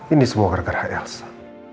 ini semua gara gara ksa